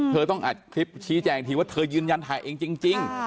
เธอต้องอัดคลิปชี้แจงอีกทีว่าเธอยืนยันถ่ายเองจริง